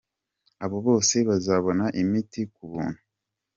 Abo bose bazabona imiti ku buntu.